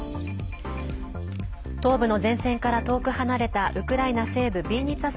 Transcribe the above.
東部の前線から遠く離れたウクライナ西部ビンニツァ